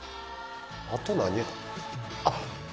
あと何？あっ！